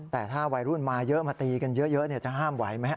แต่ถ้าวัยรุ่นมาเยอะมาตีกันเยอะจะห้ามไหวไหม